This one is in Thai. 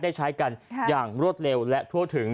ได้ใช้กันอย่างรวดเร็วและทั่วถึง